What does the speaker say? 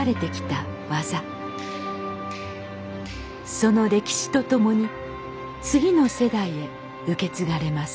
その歴史とともに次の世代へ受け継がれます。